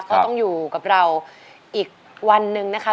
ก็ต้องอยู่กับเราอีกวันหนึ่งนะคะ